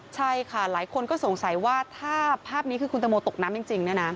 ใช่ค่ะหลายคนก็สงสัยว่าถ้าภาพนี้คือคุณตังโมตกน้ำจริงเนี่ยนะ